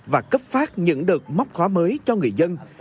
và cấp phát những đợt móc khóa mới cho người dân